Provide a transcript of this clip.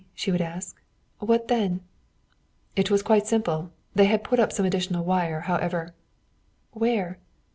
she would ask: "What then?" "It was quite simple. They had put up some additional wire, however " "Where?"